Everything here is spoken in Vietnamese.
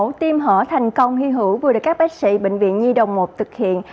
một ca mổ tiêm hỏi thành công hy hữu vừa được các bác sĩ bệnh viện nhi đồng một thực hiện